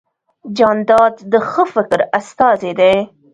جانداد د ښه فکر استازی دی.